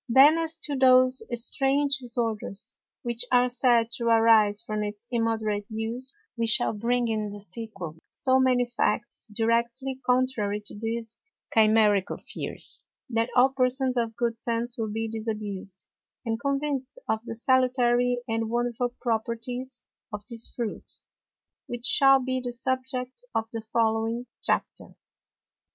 Then as to those strange Disorders which are said to arise from its immoderate Use, we shall bring in the Sequel so many Facts directly contrary to these Chimerical Fears, that all Persons of good Sense will be disabused, and convinced of the salutary and wonderful Properties of this Fruit; which shall be the Subject of the following Chapter.